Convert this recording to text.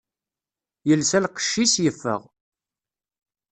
Yelsa lqecc-is, yeffeɣ.